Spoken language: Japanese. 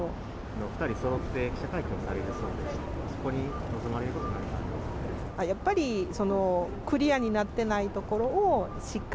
お２人そろって記者会見されるそうですが、そこに望まれること、何かありますか？